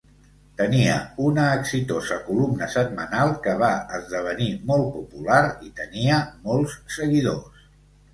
Tenia una exitosa columna setmanal que va esdevenir molt popular i tenia molts seguidors.